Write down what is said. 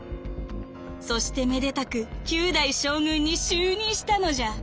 そしてめでたく９代将軍に就任したのじゃ」。